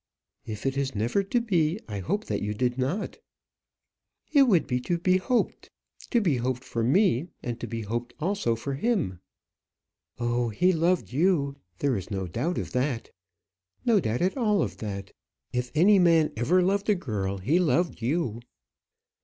"If it is never to be, I hope that you did not." "It would be to be hoped to be hoped for me, and to be hoped also for him." "Oh, he loved you. There is no doubt of that; no doubt at all of that. If any man ever loved a girl, he loved you."